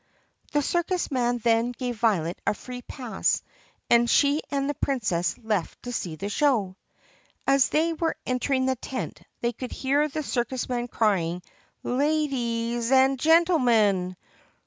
The circus man then gave Violet a free pass and she and the Princess left to see the show. As they were entering the tent they could hear the circus man crying, "LA DEES AN' GEN NIL MIN